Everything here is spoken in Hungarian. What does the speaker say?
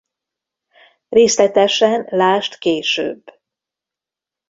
Részletesen lásd később.